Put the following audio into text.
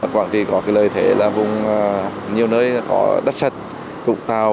quảng trị có lợi thế là vùng nhiều nơi có đất sạch cục tàu